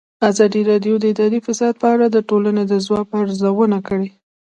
ازادي راډیو د اداري فساد په اړه د ټولنې د ځواب ارزونه کړې.